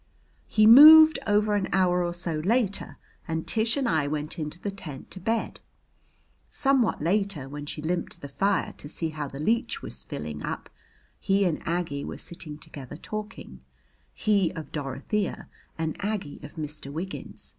He moved over an hour or so later and Tish and I went into the tent to bed. Somewhat later, when she limped to the fire to see how the leech was filling up, he and Aggie were sitting together talking, he of Dorothea and Aggie of Mr. Wiggins.